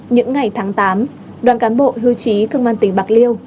những ngày tháng tám đoàn cán bộ hưu trí công an tỉnh bạc liêu